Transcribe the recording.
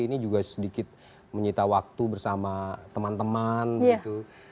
ini juga sedikit menyita waktu bersama teman teman gitu